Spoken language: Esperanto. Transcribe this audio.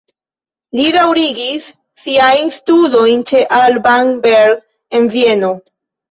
Li daŭrigis siajn studojn ĉe Alban Berg en Vieno.